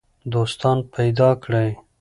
دوستان پیدا کړئ.